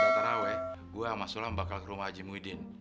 nanti abis terawih gue sama sulaw bakal ke rumah haji muhyiddin